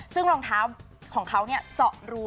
ซึ่งรองเท้าของเขาเจาะรู